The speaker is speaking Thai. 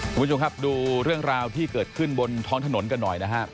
คุณผู้ชมครับดูเรื่องราวที่เกิดขึ้นบนท้องถนนกันหน่อยนะครับ